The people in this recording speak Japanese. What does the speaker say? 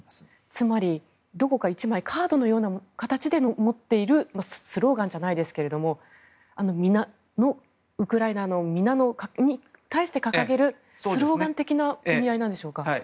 つまりどこか１枚カードのような形で持っているスローガンじゃないですがウクライナの皆に対して掲げるスローガン的な意味合いなんでしょうか。